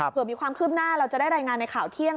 เพื่อมีความคืบหน้าเราจะได้รายงานในข่าวเที่ยง